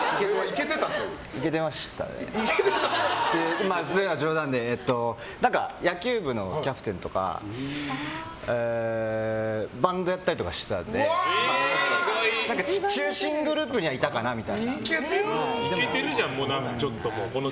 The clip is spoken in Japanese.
イケてましたね。というのは冗談で野球部のキャプテンとかバンドやったりとかしてたので中心グループにはいたかなみたいな。イケてるじゃん。